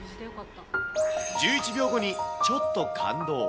１１秒後にちょっと感動。